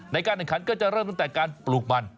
ในการแข่งขันก็จะเริ่มตั้งแต่การปลูกมัน